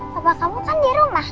coba kamu kan di rumah